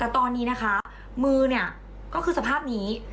แต่ตอนนี้นะคะมือเนี่ยก็คือสภาพนี้